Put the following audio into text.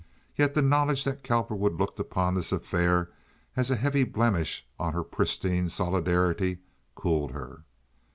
Yet the knowledge that Cowperwood looked upon this affair as a heavy blemish on her pristine solidarity cooled her.